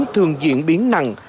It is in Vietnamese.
thường diễn biến nặng